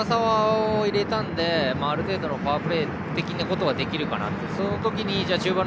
ただ、長沢を入れたのである程度のパワープレー的なことはできるかなと。